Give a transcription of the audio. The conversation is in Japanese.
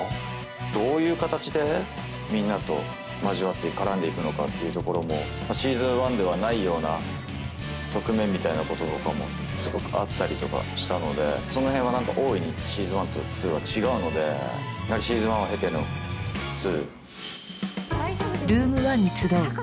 どういう形でみんなと交わって絡んでいくのかっていうところも「Ｓｅａｓｏｎ１」ではないような側面みたいなこととかもすごくあったりとかしたのでその辺は何か大いに「Ｓｅａｓｏｎ１」と「２」は違うのでやはり「Ｓｅａｓｏｎ１」を経ての「２」。